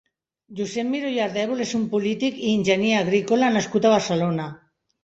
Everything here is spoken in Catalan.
Josep Miró i Ardèvol és un polític i enginyer agrícola nascut a Barcelona.